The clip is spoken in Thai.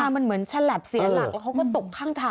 มันเหมือนฉลับเสียหลักแล้วเขาก็ตกข้างทาง